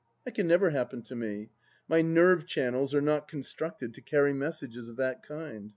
... That can never happen to me. My nerve channels are not constructed to carry messages of that kind.